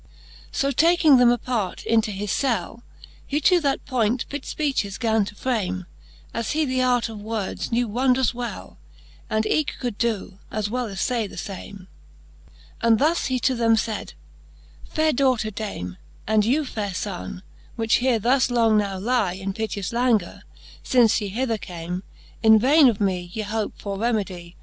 287 VI. So taking them apart into his cell, He to that point fit fpeaches gan to frame, As he the art of words knew wondrous well, And eke could doe, as well as fay the fame. And thus he to them fayd ; Faire daughter Dame, And you faire fonne, which here thus long now lie in piteous languor, fince ye hither came, In vaine of me ye hope for remedie